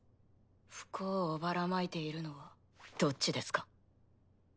不幸をばらまいているのはどっちですか？